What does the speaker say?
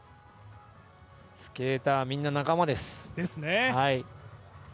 スケーター、みんな仲間です。